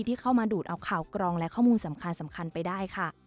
ที่เข้ามาดูดเอาข่าวกรองและข้อมูลสำคัญไปได้ค่ะ